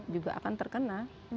juga akan terkena